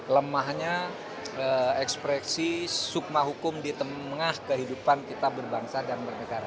lemahnya ekspresi sukma hukum di tengah kehidupan kita berbangsa dan bernegara